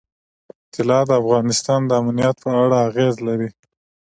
طلا د افغانستان د امنیت په اړه هم اغېز لري.